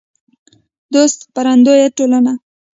دوست خپرندویه ټولنه